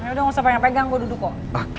ya udah gak usah banyak pegang gue duduk kok